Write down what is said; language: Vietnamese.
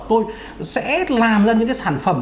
tôi sẽ làm ra những cái sản phẩm